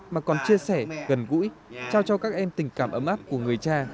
mà còn chia sẻ gần gũi trao cho các em tình cảm ấm áp của người cha